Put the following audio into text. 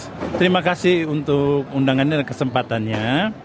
ibu sri terima kasih untuk undangannya dan kesempatannya